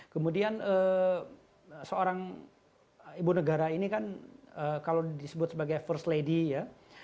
kemudian seorang ibu negara ini kan kalau disebut sebagai first lady ya